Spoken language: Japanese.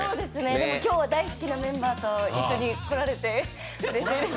でも今日は大好きなメンバーと来られてうれしいです。